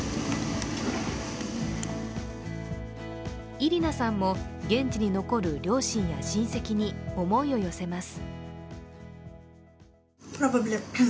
イリナさんも現地に残る両親や親戚に思いを寄せます。